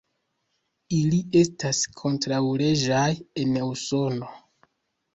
Ili estas kontraŭleĝaj en Usono.